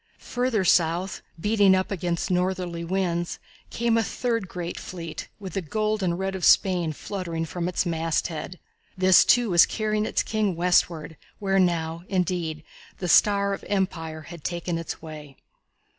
Further south, beating up against the northerly winds, came a third fleet with the gold and red of Spain fluttering from its masthead. This, too, was carrying its King westward, where now, indeed, the star of empire had taken its way.